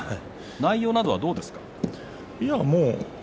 内容はどうですか？